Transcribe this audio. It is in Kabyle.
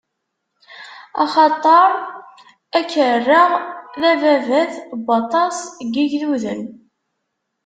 Axaṭer ad k-rreɣ d ababat n waṭas n yigduden.